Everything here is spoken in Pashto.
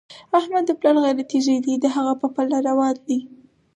احمد د پلار غیرتي زوی دی، د هغه په پله روان دی.